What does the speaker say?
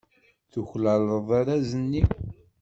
Tuklaleḍ arraz-nni.